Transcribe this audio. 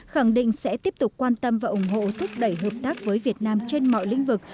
khẳng định sẽ tiếp tục quan tâm và ủng hộ thúc đẩy hợp tác với việt nam trên mọi lĩnh vực